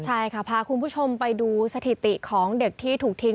ใช่ค่ะพาคุณผู้ชมไปดูสถิติของเด็กที่ถูกทิ้ง